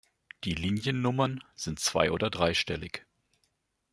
Die Liniennummern sind zwei- oder dreistellig.